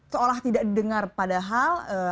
seolah tidak didengar padahal